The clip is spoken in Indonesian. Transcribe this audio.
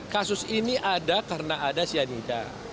kasus ini ada karena ada cyanida